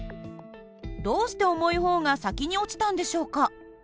どうして重い方が先に落ちたんでしょうか？